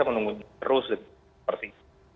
terus seperti itu